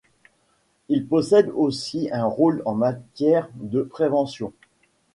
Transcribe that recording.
Il possède aussi un rôle en matière de prévention.